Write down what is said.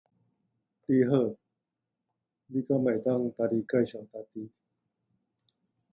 尻川